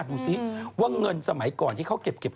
ดูสิว่าเงินสมัยก่อนที่เขาเก็บ